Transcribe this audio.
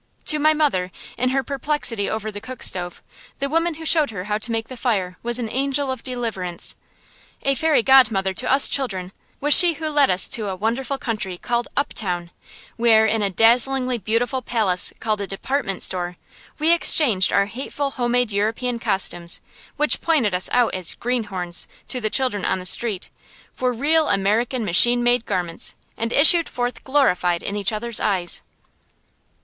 To my mother, in her perplexity over the cookstove, the woman who showed her how to make the fire was an angel of deliverance. A fairy godmother to us children was she who led us to a wonderful country called "uptown," where, in a dazzlingly beautiful palace called a "department store," we exchanged our hateful homemade European costumes, which pointed us out as "greenhorns" to the children on the street, for real American machine made garments, and issued forth glorified in each other's eyes.